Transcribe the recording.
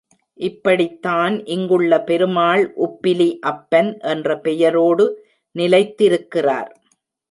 இப்படித் தான் இங்குள்ள பெருமாள் உப்பிலி அப்பன் என்ற பெயரோடு நிலைத்திருக்கிறார்.